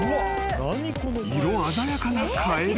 ［色鮮やかなカエル］